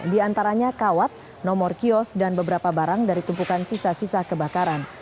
di antaranya kawat nomor kios dan beberapa barang dari tumpukan sisa sisa kebakaran